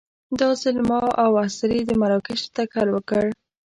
دا ځل ما او اسرې د مراکش تکل وکړ.